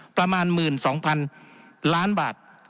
ประมาณ๑๒๐๐๐ล้านบาท